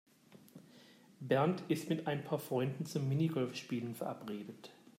Bernd ist mit ein paar Freunden zum Minigolfspielen verabredet.